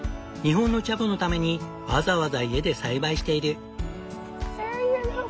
日本のチャボのためにわざわざ家で栽培している。